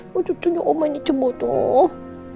kok cucunya oma ini cebo tuh